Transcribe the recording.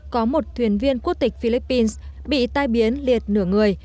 có một thuyền viên quốc tịch philippines bị tai biến liệt nửa người